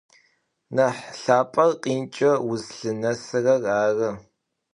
Нахь лъапӏэр къинкӏэ узлъынэсырэр ары.